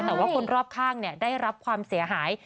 แต่ว่าคนรอบข้างได้รับความเสียหาย